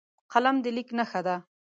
قلم د لیک نښه ده